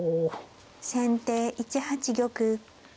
先手１八玉。